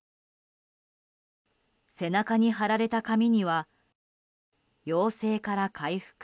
背中に貼られた紙には「陽性から回復。